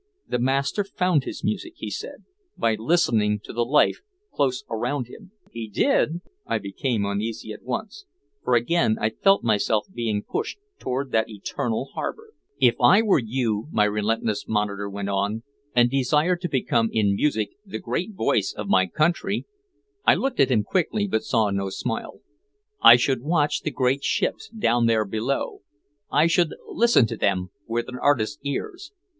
"The Master found his music," he said, "by listening to the life close around him." "He did?" I became uneasy at once, for again I felt myself being pushed toward that eternal harbor. "If I were you," my relentless monitor went on, "and desired to become in music the great voice of my country" I looked at him quickly but saw no smile "I should watch the great ships down there below, I should listen to them with an artist's ears.